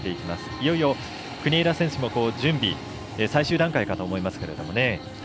いよいよ国枝選手も準備、最終段階かと思いますが。